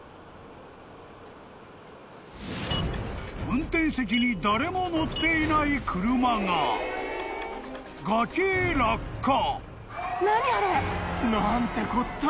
［運転席に誰も乗っていない車が崖へ落下］